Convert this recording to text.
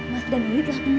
mas denuri sudah meninggal